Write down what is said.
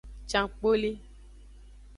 Cankpoli.